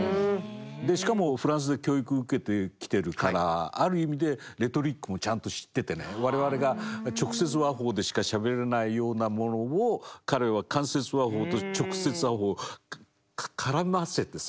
しかもフランスで教育受けてきてるからある意味で我々が直接話法でしかしゃべれないようなものを彼は間接話法と直接話法を絡ませてさ